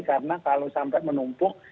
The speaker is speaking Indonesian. karena kalau sampai menumpuk